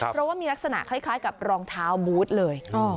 เพราะว่ามีลักษณะคล้ายกับรองเท้าบูธเลย